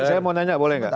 saya mau tanya boleh tidak